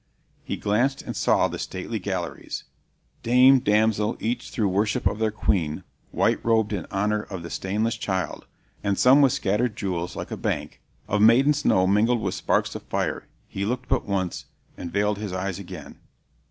"He glanced and saw the stately galleries, Dame, damsel, each through worship of their Queen White robed in honor of the stainless child, And some with scatter'd jewels, like a bank Of maiden snow mingled with sparks of fire. He looked but once, and veiled his eyes again."